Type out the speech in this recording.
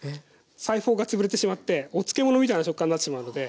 細胞が潰れてしまってお漬物みたいな食感になってしまうので。